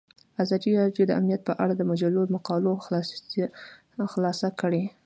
ازادي راډیو د امنیت په اړه د مجلو مقالو خلاصه کړې.